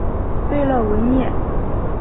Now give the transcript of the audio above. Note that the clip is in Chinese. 贝勒维涅。